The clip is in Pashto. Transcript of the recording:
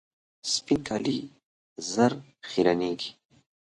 سپین کالي ژر خیرنېږي.